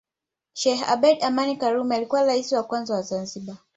Sheikh Abeid Amani Karume alikuwa Rais wa kwanza wa Zanzibar